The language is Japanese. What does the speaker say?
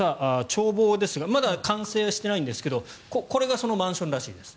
眺望ですがまだ完成していないんですがこれがそのマンションらしいです。